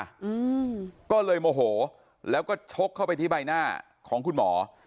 อืมก็เลยโมโหแล้วก็ชกเข้าไปที่ใบหน้าของคุณหมอ